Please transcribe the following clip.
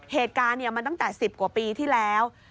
เหตุการณ์มันตั้งแต่๑๐กว่าปีที่แล้ว